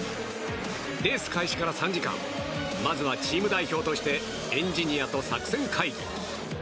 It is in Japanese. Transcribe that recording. レース開始から３時間まずはチーム代表としてエンジニアと作戦会議。